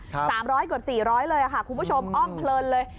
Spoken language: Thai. ๓๐๐กว่า๔๐๐เลยค่ะคุณผู้ชมอ้อมเพลินเลย